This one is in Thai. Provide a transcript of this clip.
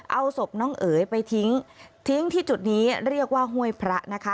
เอาสบนางเอ๋ยไปทิ้งที่จุดนี้เรียกว่าถ่ายนางห้วยพระ